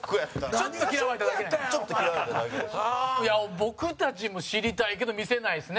僕たちも知りたいけど見せないですね。